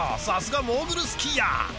さすがモーグルスキーヤー。